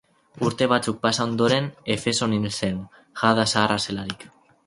Urte batzuk pasa ondoren Efeson hil zen, jada zaharra zelarik.